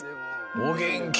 お元気。